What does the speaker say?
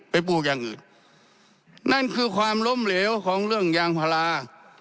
ปลูกอย่างอื่นนั่นคือความล้มเหลวของเรื่องยางพารา